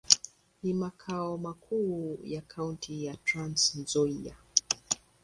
Ni makao makuu ya kaunti ya Trans-Nzoia.